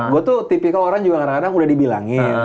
gue tuh tipikal orang juga kadang kadang udah dibilangin